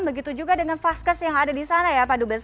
begitu juga dengan vaskes yang ada di sana ya pak dubes